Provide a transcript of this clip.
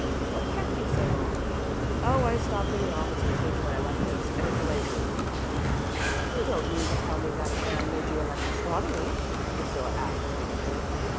What kept you so long?" "Oh, I stopped in the office to change my electives, and it delayed me." "You don't mean to tell me that man made you elect astronomy?" Priscilla asked indignantly.